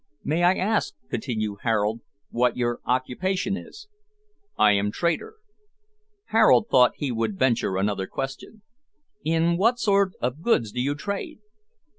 "May I ask," continued Harold, "what your occupation is?" "I am trader." Harold thought he would venture another question: "In what sort of goods do you trade?"